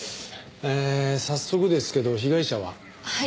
えー早速ですけど被害者は？